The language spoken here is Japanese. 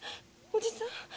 おじさん？